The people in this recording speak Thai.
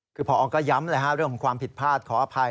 คือพอก็ย้ำเรื่องของความผิดพลาดขออภัย